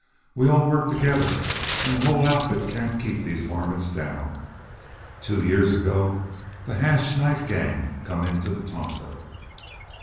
We all work together, an' the whole outfit cain't keep these vermints down. Then two years ago the Hash Knife Gang come into the Tonto."